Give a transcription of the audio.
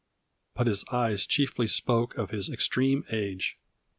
But his eyes chiefly spoke of his extreme age.